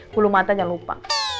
bulu mata jangan lupa